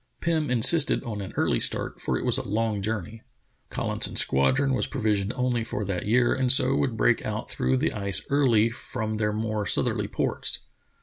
Pim insisted on an early start, for it was a long journey. Collinson's squadron was provisioned only for that year and so would break out through the ice early from their more southerly ports.